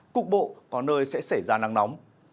cục bộ có nơi sẽ xảy ra nắng nóng